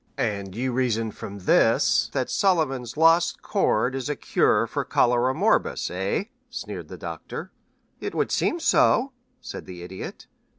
"And you reason from this that Sullivan's 'Lost Chord' is a cure for cholera morbus, eh?" sneered the Doctor. "It would seem so," said the Idiot.